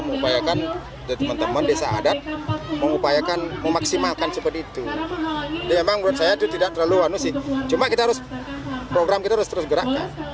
cuma kita harus program kita harus terus gerakan